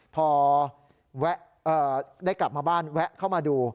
พอได้กลับมาบ้านแวะเข้ามาดู